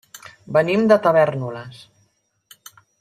Venim de Tavèrnoles.